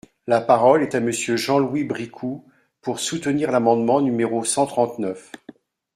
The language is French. La parole est à Monsieur Jean-Louis Bricout, pour soutenir l’amendement numéro cent trente-neuf.